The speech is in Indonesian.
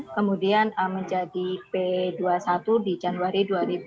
kemudian menjadi p dua puluh satu di januari dua ribu dua puluh